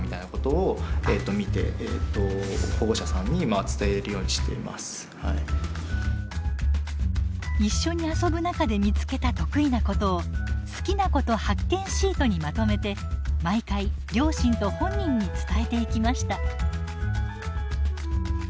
そういう例えばＲくんに関しては一緒に遊ぶ中で見つけた得意なことを「好きなこと発見シート」にまとめて毎回両親と本人に伝えていきました。